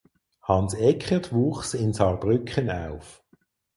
Hans Eckert wuchs in Saarbrücken auf.